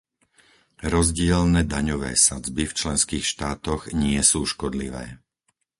Rozdielne daňové sadzby v členských štátoch nie sú škodlivé.